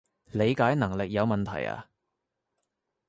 理解能力有問題呀？